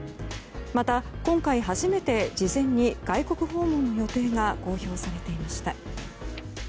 また、今回初めて事前に外国訪問の予定が公表されていました。